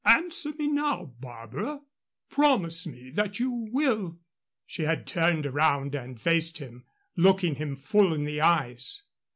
Answer me now, Barbara. Promise me that you will " She had turned around and faced him, looking him full in the eyes.